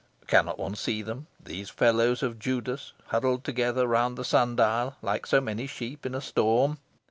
Cannot one see them, these Fellows of Judas, huddled together round the sun dial, like so many sheep in a storm?